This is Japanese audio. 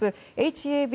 ＨＡＢ